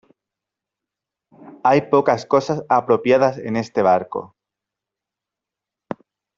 hay pocas cosas apropiadas en este barco.